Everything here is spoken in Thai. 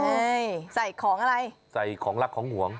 ใช่ใส่ของอะไรใส่ของรักของห่วง